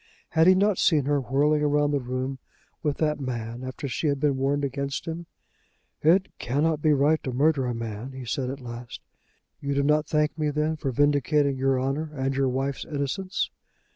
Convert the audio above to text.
Had he not seen her whirling round the room with that man after she had been warned against him. "It cannot be right to murder a man," he said at last. "You do not thank me then for vindicating your honour and your wife's innocence?"